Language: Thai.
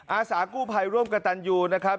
อาสากู้ภัยร่วมกับตันยูนะครับ